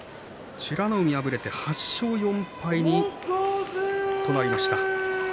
美ノ海、敗れて８勝４敗になりました。